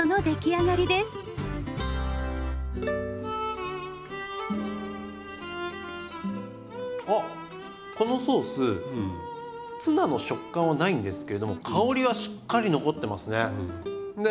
あっこのソースツナの食感はないんですけれども香りはしっかり残ってますね。